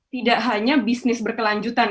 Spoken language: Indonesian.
tidak hanya bisnis berkelanjutan